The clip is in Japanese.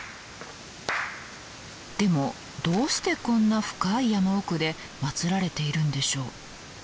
でもどうしてこんな深い山奥でまつられているんでしょう？